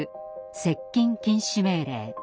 「接近禁止命令」。